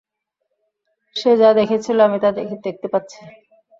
সে যা দেখেছিল, আমি তা দেখতে পাচ্ছি।